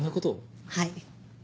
はい。